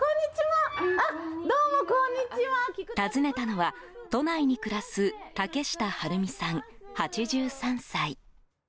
訪ねたのは、都内に暮らす竹下晴美さん、８３歳。